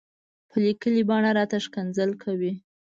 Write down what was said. په ليکلې بڼه راته ښکنځل کوي.